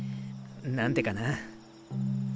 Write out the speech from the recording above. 何でかな。